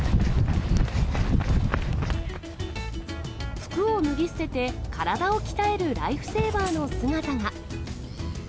服を脱ぎ捨てて体を鍛えるライフセーバーの姿が。